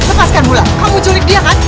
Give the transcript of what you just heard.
lepaskan mula kamu curig dia kan